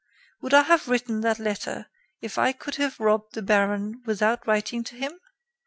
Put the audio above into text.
Would I have written that letter if I could have robbed the baron without writing to him?